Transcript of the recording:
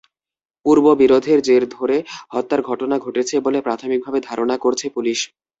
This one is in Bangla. পূর্ববিরোধের জের ধরে হত্যার ঘটনা ঘটেছে বলে প্রাথমিকভাবে ধারণা করছে পুলিশ।